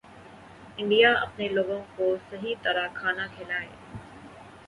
India اپنے لوگوں کو صحیح طرح کھانا کھلائے